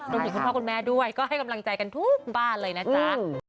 คุณพ่อคุณแม่ด้วยก็ให้กำลังใจกันทุกบ้านเลยนะจ๊ะ